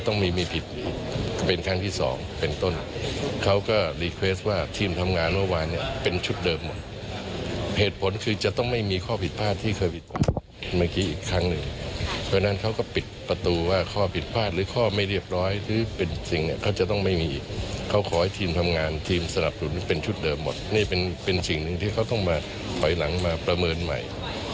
นี่เป็นสิ่งหนึ่งที่เขาต้องมาถอยหลังมาประเมินใหม่